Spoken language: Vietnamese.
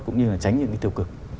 cũng như là tránh những cái tiêu cực